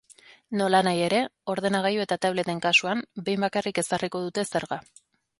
Nolanahi ere, ordenagailu eta tableten kasuan, behin bakarrik ezarriko dute zerga.